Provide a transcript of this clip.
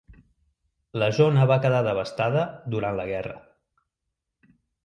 La zona va quedar devastada durant la guerra.